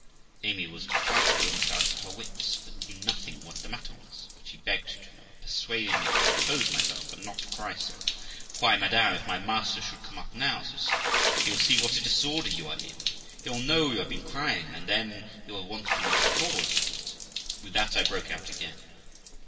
Amy was frighted almost out of her wits, but knew nothing what the matter was ; but she begged to know, and persuaded me to compose myself, and not cry so. 'Why, madam, if my master should come up now', says she, 'he will see what a disorder you are in; he will know you have been crying, and then he will want to know the cause of it.' With that I broke out again.